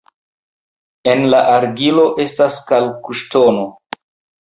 En la argilo estas kalkŝtono.